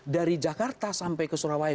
dari jakarta sampai ke surabaya